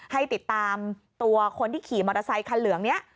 ให้ติดตามตัวคนที่ขี่มอเตอร์ไซคันเหลืองนี้